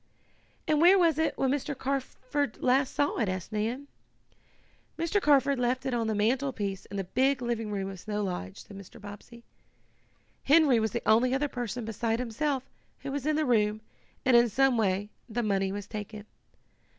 "And where was it when Mr. Carford last saw it?" asked Nan. "Mr. Carford left it on the mantlepiece in the big living room of Snow Lodge," said Mr. Bobbsey. "Henry was the only other person, beside himself, who was in the room, and in some way the money was taken.